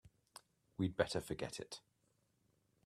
We'd better forget it.